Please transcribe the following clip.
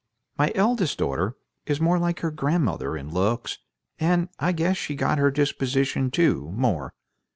My eldest daughter is more like her grandmother in looks, and I guess she's got her disposition too, more.